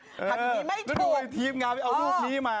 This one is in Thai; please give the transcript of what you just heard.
ถัดมีไม่ถูกดูทีมงานไปเอารูปนี้มา